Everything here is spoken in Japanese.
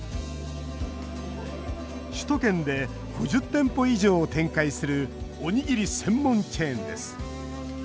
首都圏で５０店舗以上を展開するおにぎり専門チェーンです。